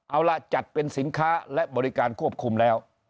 เอาล่ะจัดเป็นสินค้าและบริการควบคุมแล้ว